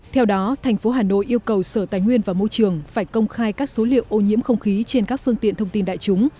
theo đó thành phố hà nội yêu cầu sở tài nguyên và môi trường phải công khai các số liệu ô nhiễm không khí trên các phương tiện thông tin đại chúng